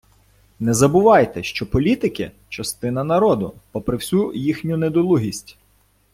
Не забувайте, що політики - частина народу, попри всю їхню недолугість.